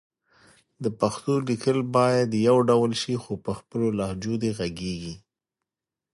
د پښتو لیکل باید يو ډول شي خو په خپلو لهجو دې غږېږي